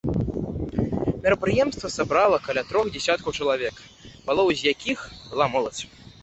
Мерапрыемства сабрала каля трох дзясяткаў чалавек, палова з якіх была моладзь.